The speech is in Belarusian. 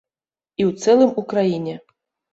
І ў цэлым у краіне.